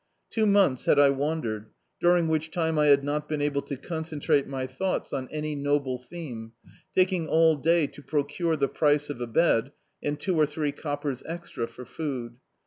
Two months had I wandered, during which time I had not been able to concen trate my thoughts on any noble theme, taking all day to procure the price of a bed, and two or three coppers extra for food.